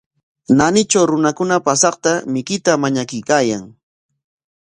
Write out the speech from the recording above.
Naanitraw runakuna paasaqta mikuyta mañakuykaayan.